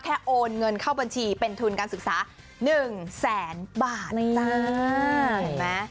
แค่โอนเงินเข้าบัญชีเป็นทุนการศึกษา๑แสนบาท